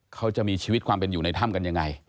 เขาจะมีชีวิตความเป็นอยู่ในถ้ำกันยังไง